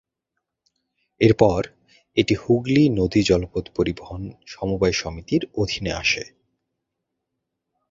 এর পর এটি "হুগলি নদী জলপথ পরিবহণ সমবায় সমিতি"র অধীনে আসে।